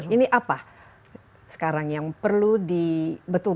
ini apa sekarang yang perlu di betulkan